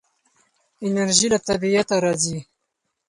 انرژي له طبیعته راځي.